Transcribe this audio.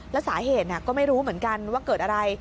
แล้วสาเหตุก็ไม่รู้เหมือนกันว่าเกิดอะไร